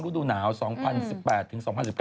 ดูหนาว๒๐๑๘ถึง๒๐๑๙